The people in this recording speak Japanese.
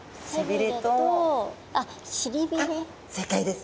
正解です。